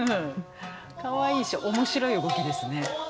カワイイし面白い動きですね。